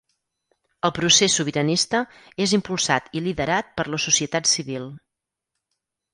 El procés sobiranista és impulsat i liderat per la societat civil.